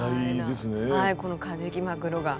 このカジキマグロが。